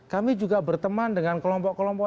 kami juga berteman dengan kelompok kelompok